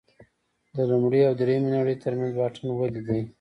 د لومړۍ او درېیمې نړۍ ترمنځ واټن ولې دی.